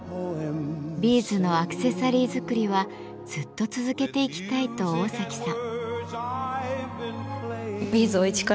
ビーズのアクセサリー作りはずっと続けていきたいと桜咲さん。